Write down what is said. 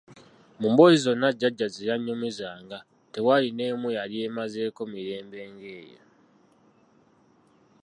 Mu mboozi zonna Jjajja ze yannyumizanga tewaali n'emu yali emmazeeko mirembe ng'eyo!